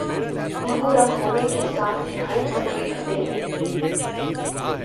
لہو رنگ ہونے کے ساتھ نہایت تکلیف دہ ہے